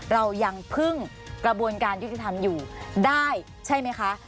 เรายังพึ่งกระบวนการยุติธรรมอยู่ได้ใช่ไหมคะ